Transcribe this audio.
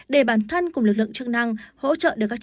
để bản thân cùng lực lượng chức năng hỗ trợ được